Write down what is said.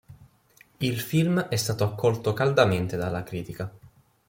Il film è stato accolto caldamente dalla critica.